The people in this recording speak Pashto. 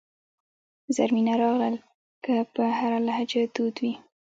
زرمینه راغلل که په هره لهجه دود وي.